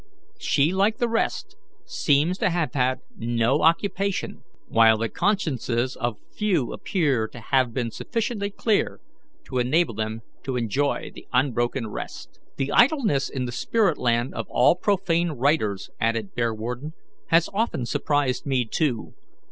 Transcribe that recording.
She, like the rest, seems to have had no occupation, while the consciences of few appear to have been sufficiently clear to enable them to enjoy unbroken rest." "The idleness in the spirit land of all profane writers," added Bearwarden, "has often surprised me too.